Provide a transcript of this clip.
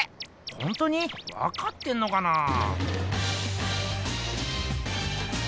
ほんとにわかってんのかなぁ？